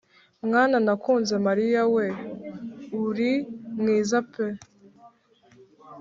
Mwana nakunze mariya we uri mwiza pee